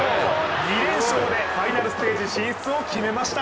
２連勝でファイナルステージ進出を決めました。